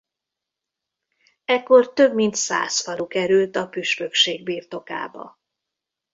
Ekkor több mint száz falu került a püspökség birtokába.